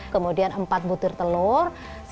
kemudian empat butir telur